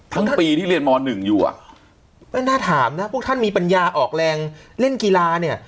ทั้งปีที่เรียนม๑อยู่อ่ะไม่น่าถามนะพวกท่านมีปัญญาออกแรงเล่นกีฬาเนี่ย